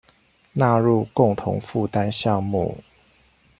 納入共同負擔項目